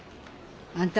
あんた。